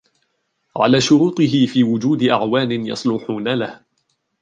عَلَى شُرُوطِهِ فِي وُجُودِ أَعْوَانٍ يَصْلُحُونَ لَهُ